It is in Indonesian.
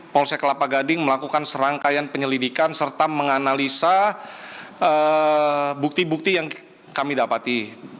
polsek kelapa gading melakukan serangkaian penyelidikan serta menganalisa bukti bukti yang kami dapati